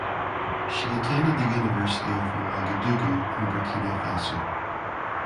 She attended the University of Ouagadougou in Burkina Faso.